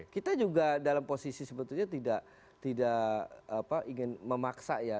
kita juga dalam posisi sebetulnya tidak ingin memaksa ya